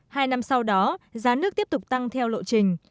hai năm sau đó giá nước tiếp tục tăng theo lộ trình